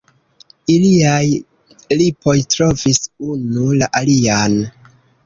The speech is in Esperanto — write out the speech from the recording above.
Iliaj lipoj trovis unu la alian.